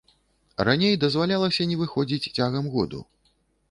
Раней дазвалялася не выходзіць цягам году.